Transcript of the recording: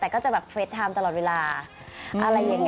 แต่ก็จะแบบเฟรดไทม์ตลอดเวลาอะไรอย่างนี้